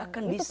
gak akan bisa